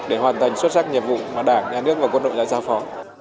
để hoàn thành xuất sắc nhiệm vụ mà đảng nhà nước và quân đội đã giao phó